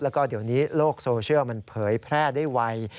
แล้วก็เดี๋ยวนี้โลกโซเชียลมันเผยแพร่ได้ไว